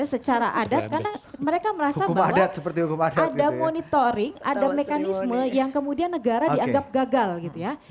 secara adat karena mereka merasa bahwa ada monitoring ada mekanisme yang kemudian negara dianggap gagal gitu ya